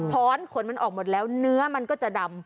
้อนขนมันออกหมดแล้วเนื้อมันก็จะดำ